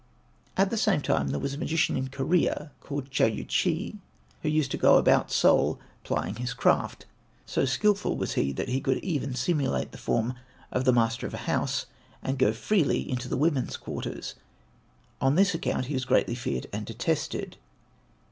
At the same time there was a magician in Korea called Chon U chi, who used to go about Seoul plying his craft. So skilful was he that he could even simulate the form of the master of a house and go freely into the women's quarters. On this account he was greatly feared and detested.